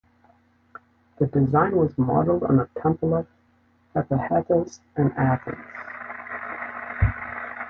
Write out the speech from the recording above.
The design was modelled on the Temple of Hephaestus in Athens.